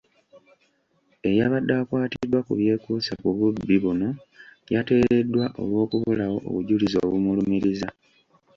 Eyabadde akwatiddwa ku byekuusa ku bubbi buno yateereddwa olw'okubulawo obujulizi obumulumiriza.